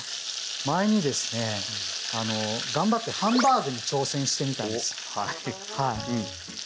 前にですね頑張ってハンバーグに挑戦してみたんですよ。